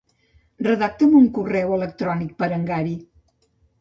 Redacta'm un correu electrònic per al Gary.